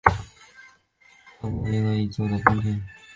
魏玛宫是德国图林根州魏玛的一座宫殿。